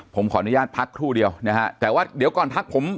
ผมขออนุญาตพักครู่เดียวนะฮะแต่ว่าเดี๋ยวก่อนพักผม